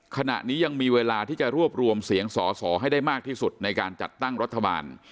ขณะนี้ยังมีเวลาที่จะรวบรวมเสียงสอสอให้ได้มากที่สุดในการจัดตั้งรัฐบาล